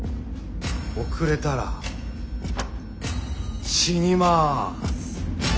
遅れたら死にます。